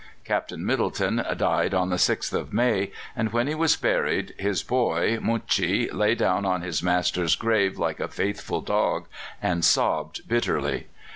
Captain Middleton died on the 6th of May, and when he was buried, his "boy" Mounchi lay down on his master's grave like a faithful dog and sobbed bitterly.